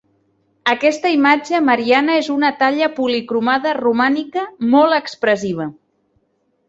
Aquesta imatge mariana és una talla policromada romànica, molt expressiva.